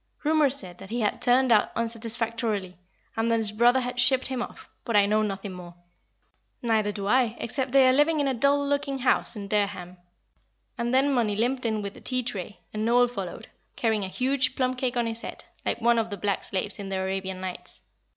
Rumour said that he had turned out unsatisfactorily, and that his brother had shipped him off, but I know nothing more." "Neither do I, except they are living in a dull looking house in Dereham." And then Mollie limped in with the tea tray, and Noel followed, carrying a huge plum cake on his head, like one of the black slaves in the "Arabian Nights."